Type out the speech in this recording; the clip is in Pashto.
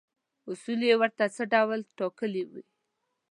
اصول یې ورته څه ډول ټاکلي وي.